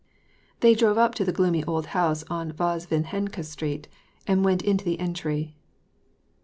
They drove up to the gloomy old house on Vozdvizhenka Street, and went into the entry.